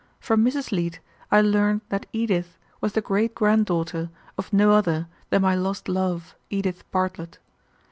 From Mrs. Leete I learned that Edith was the great granddaughter of no other than my lost love, Edith Bartlett.